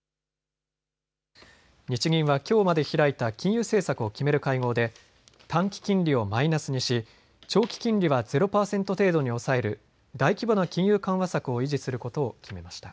日銀はきょうまで開いた金融政策を決める会合で短期金利をマイナスにし長期金利はゼロ％程度に抑える大規模な金融緩和策を維持することを決めました。